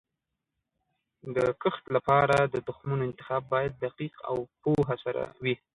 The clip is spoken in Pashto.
د کښت لپاره د تخمونو انتخاب باید دقیق او پوهه سره وي.